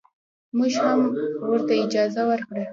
موږ هم ورته اجازه ورکړه.